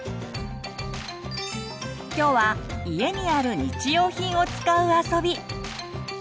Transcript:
今日は家にある日用品を使う遊び。